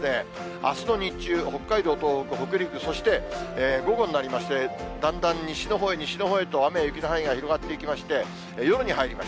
あすの日中、北海道、東北、北陸、そして午後になりまして、だんだん西のほうへ、西のほうへと雨や雪の範囲が広がっていきまして、夜に入ります。